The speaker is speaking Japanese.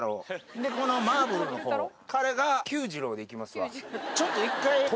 でこのマーブルのほう彼がＱ次郎でいきますわ。